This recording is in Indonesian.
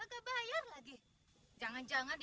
aku pun mah